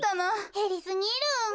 へりすぎる。